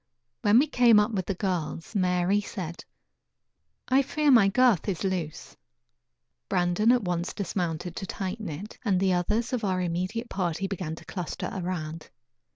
When we came up with the girls, Mary said: "I fear my girth is loose." Brandon at once dismounted to tighten it, and the others of our immediate party began to cluster around.